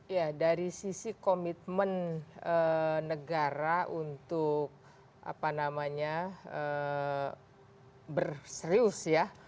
ya dari sisi komitmen negara untuk berserius ya